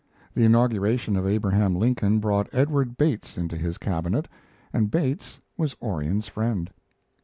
The inauguration of Abraham Lincoln brought Edward Bates into his Cabinet, and Bates was Orion's friend.